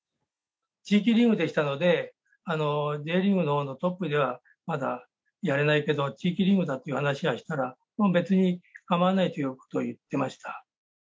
地域リーグでしたのであのＪリーグのほうのトップではまだやれないけど地域リーグだっていう話はしたらまあ別に構わないということを言ってました